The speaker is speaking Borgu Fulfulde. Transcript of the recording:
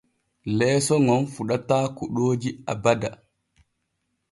Leeso ŋon fuɗataa kuɗooji abada.